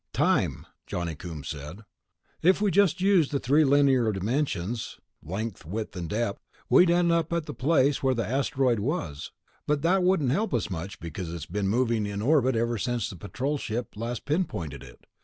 "Time," Johnny Coombs said. "If we just used the three linear dimensions ... length, width and depth ... we'd end up at the place where the asteroid was, but that wouldn't help us much because it's been moving in orbit ever since the Patrol Ship last pinpointed it.